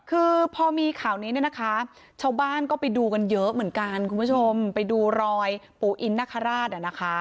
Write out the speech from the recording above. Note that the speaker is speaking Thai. คือพอมีข่าวนี้เนี่ยนะคะชาวบ้านก็ไปดูกันเยอะเหมือนกันคุณผู้ชมไปดูรอยปู่อินนคราชอ่ะนะคะ